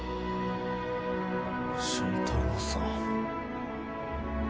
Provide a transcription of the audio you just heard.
新太郎さん